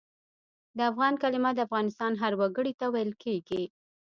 د افغان کلمه د افغانستان هر وګړي ته ویل کېږي.